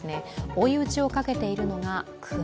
追い打ちをかけているのが、熊。